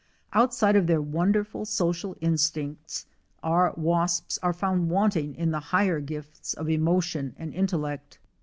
Outside of their wonderful social instincts our wasps are found wanting in the higher gifts of emotion and in tellect.